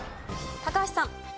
高橋さん。